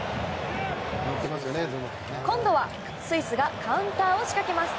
今度はブラジルがカウンターを仕掛けます。